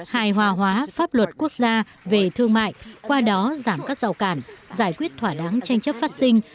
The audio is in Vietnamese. hài hòa hóa pháp luật quốc gia về thương mại qua đó giảm các rào cản giải quyết thỏa đáng tranh chấp phát sinh